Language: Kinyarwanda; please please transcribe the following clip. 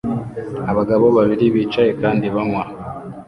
Abagabo babiri bicaye kandi banywa